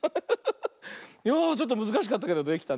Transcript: いやあちょっとむずかしかったけどできたね。